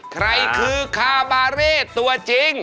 ใครคือคาบาเร่ตัวจริง